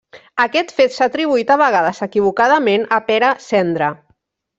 Aquest fet s'ha atribuït de vegades, equivocadament, a Pere Cendra.